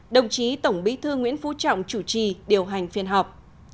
đồng chí tổng bí thư nguyễn phú trọng chủ trì điều hành phiên họp